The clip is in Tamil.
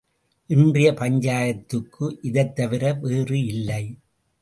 இன்றைய பஞ்சாயத்துக்கு இதைத்தவிர வேறு இல்லை.